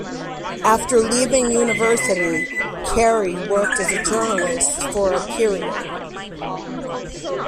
After leaving university, Khairy worked as a journalist for a period.